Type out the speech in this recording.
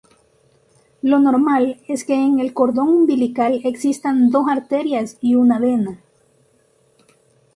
Lo normal es que en el cordón umbilical existan dos arterias y una vena.